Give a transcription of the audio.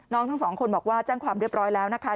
ทั้งสองคนบอกว่าแจ้งความเรียบร้อยแล้วนะคะ